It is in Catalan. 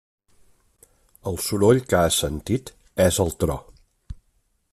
El soroll que has sentit és el tro.